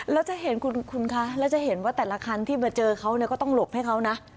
แล้วจะเห็นคุณคะแล้วจะเห็นว่าแต่ละคันที่มาเจอเขาก็ต้องหลบให้เขานะ